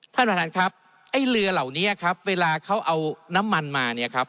ท่านประธานครับไอ้เรือเหล่านี้ครับเวลาเขาเอาน้ำมันมาเนี่ยครับ